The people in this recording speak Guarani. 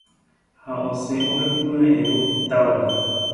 ha osẽ ohepyme'ẽvo itávare